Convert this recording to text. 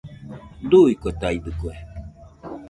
Duuikotaidɨkue